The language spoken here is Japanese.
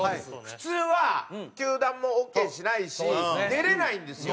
普通は球団もオーケーしないし出れないんですよ。